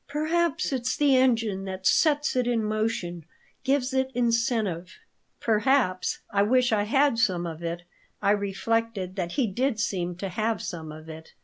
"Perhaps it's the engine that sets it in motion, gives it incentive." "Perhaps. I wish I had some of it." I reflected that he did seem to have some of "it."